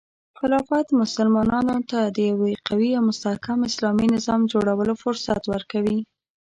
خلافت مسلمانانو ته د یو قوي او مستحکم اسلامي نظام جوړولو فرصت ورکوي.